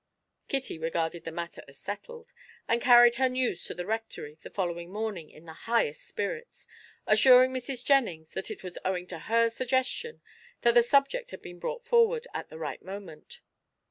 Kitty regarded the matter as settled, and carried her news to the Rectory the following morning in the highest spirits, assuring Mrs. Jennings that it was owing to her suggestion that the subject had been brought forward at the right moment.